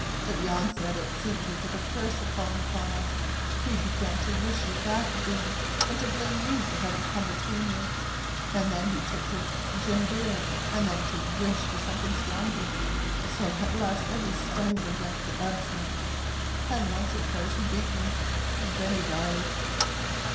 But Jan said it seemed as if a curse had fallen upon us; he began to wish you back again, and to blame me for having come between you. And then he took to genever, and then to wish for something stronger; so at last every stiver went for absinthe, and once or twice he beat me, and then he died.